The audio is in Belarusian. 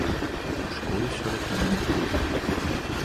У школу сёлета яна не пойдзе.